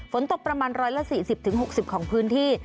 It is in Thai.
ฝนตกประมาณ๑๔๐๖๐ของพื้นที่